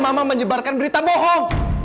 mama menyebarkan berita bohong